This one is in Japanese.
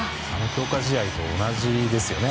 強化試合と同じですよね。